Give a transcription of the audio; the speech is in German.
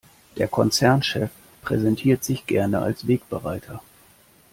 Der Konzernchef präsentiert sich gerne als Wegbereiter.